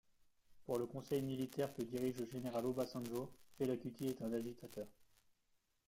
Pour le conseil militaire que dirige le général Obasanjo, Fela Kuti est un agitateur.